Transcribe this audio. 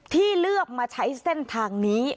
ที่เลือกมาใช้เส้นทางนี้